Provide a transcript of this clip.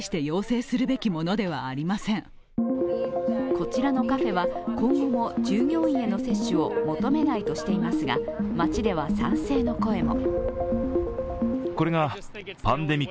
こちらのカフェは、今後も従業員への接種を求めないとしていますが街では賛成の声も。